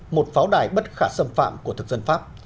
một pháo đài bất khả xâm phạm của thực dân pháp